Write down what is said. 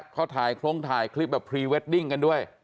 เขาถ่ายโครงถ่ายคลิปแบบพรีเวดดิ้งกันด้วย